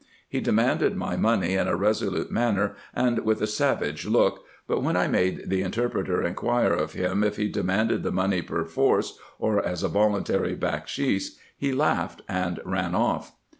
He demanded my money in a resolute manner, and with a savage look ; but when I made the interpreter inquire of him if he de manded the money per force, or as a voluntary bakshis, he laughed and ran ofF.